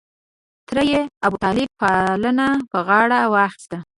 تره یې ابوطالب پالنه په غاړه واخسته.